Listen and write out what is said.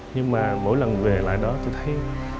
nhưng mà mỗi lần về lại đó tôi thấy